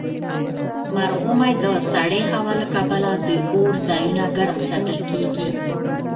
مرغومی د سړې هوا له کبله د اور ځایونه ګرم ساتل کیږي.